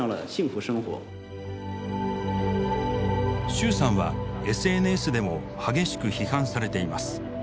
シューさんはＳＮＳでも激しく批判されています。